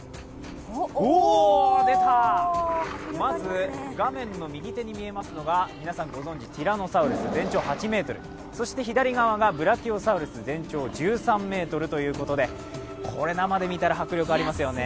まず、画面の右手に見えますのが皆さんご存じ、ティラノサウルス全長８ｍ、左側がブラキオサウルス全長１３ｍということで、これ、生で見たら迫力ありますよね